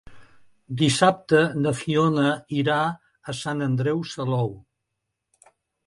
Dissabte na Fiona irà a Sant Andreu Salou.